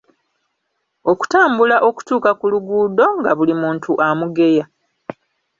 Okutambula okutuuka ku luguudo, nga buli muntu amugeya.